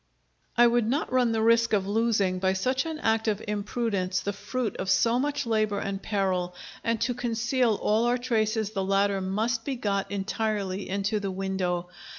I would not run the risk of losing by such an act of imprudence the fruit of so much labor and peril, and to conceal all our traces the ladder must be got entirely into the window.